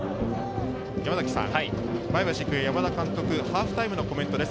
前橋育英、山田監督、ハーフタイムのコメントです。